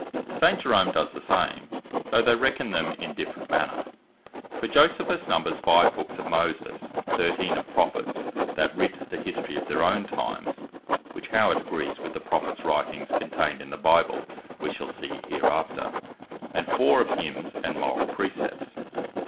St. Jerome does the same, though they reckon them in different manner. For Josephus numbers Five Books of Moses, Thirteen of Prophets, that writ the History of their own times (which how it agrees with the Prophets writings contained in the Bible wee shall see hereafter), and Four of Hymnes and Morall Precepts.